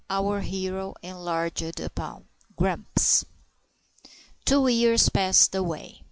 Our hero enlarged upon Grumps. Two years passed away.